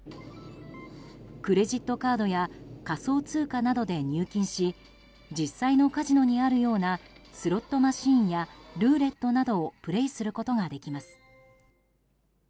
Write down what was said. クレジットカードや仮想通貨などで入金し実際のカジノにあるようなスロットマシーンやルーレットなどをプレーすることができます。